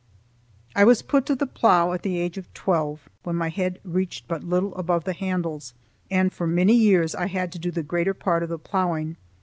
I was put to the plough at the age of twelve, when my head reached but little above the handles, and for many years I had to do the greater part of the ploughing.